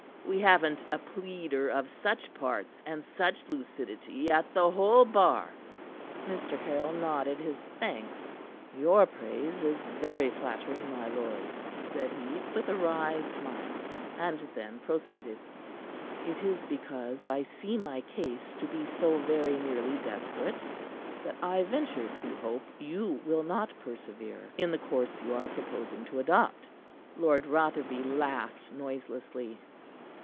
We haven't a pleader of such parts and such lucidity at the whole bar." Mr. Caryll nodded his thanks. "Your praise is very flattering, my lord," said he, with a wry smile, and then proceeded: "It is because I see my case to be so very nearly desperate, that I venture to hope you will not persevere in the course you are proposing to adopt." Lord Rotherby laughed noiselessly.